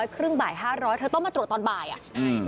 ครึ่งบ่ายห้าร้อยเธอต้องมาตรวจตอนบ่ายอ่ะ